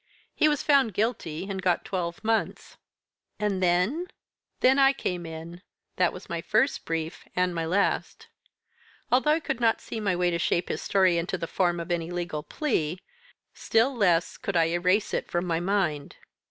He was found guilty, and got twelve months." "And then?" "Then I came in that was my first brief, and my last. Although I could not see my way to shape his story into the form of any legal plea, still less could I erase it from my mind.